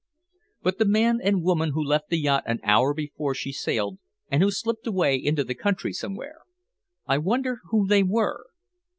"But the man and the woman who left the yacht an hour before she sailed, and who slipped away into the country somewhere! I wonder who they were?